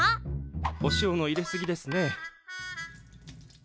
お塩の入れ過ぎですねえ。